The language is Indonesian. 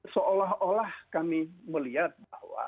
seolah olah kami melihat bahwa